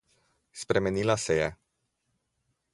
Spremenila se je.